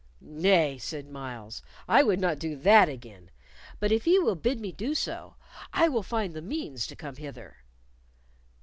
"Nay," said Myles, "I would not do that again, but if ye will bid me do so, I will find the means to come hither."